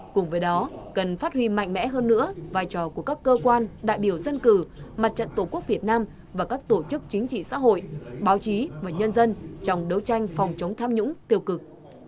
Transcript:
cùng với đó cần phát huy mạnh mẽ hơn nữa vai trò của các cơ quan đại biểu dân cử mặt trận tổ quốc việt nam và các tổ chức chính trị xã hội báo chí và nhân dân trong đấu tranh phòng chống tham nhũng tiêu cực